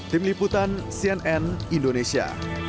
tim liputan cnn indonesia